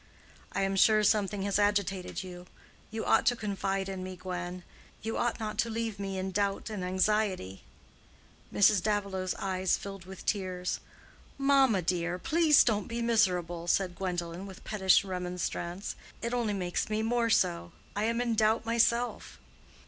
"I am sure something has agitated you. You ought to confide in me, Gwen. You ought not to leave me in doubt and anxiety." Mrs. Davilow's eyes filled with tears. "Mamma, dear, please don't be miserable," said Gwendolen, with pettish remonstrance. "It only makes me more so. I am in doubt myself."